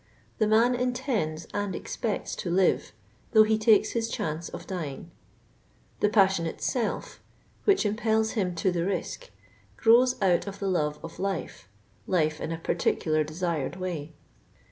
The man intends and expects to live, though he takes his chance of dying. " The passion itself," which impels him to the risk, " grows out of the love of life, life in a particular desired way."